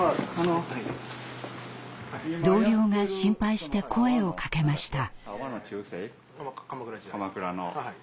同僚が心配して声をかけました。